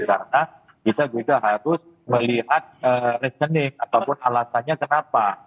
karena kita juga harus melihat resenik ataupun alasannya kenapa